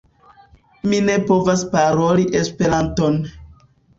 Mi ne povas paroli Esperanton!